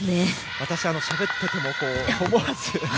私、しゃべっていても思わず。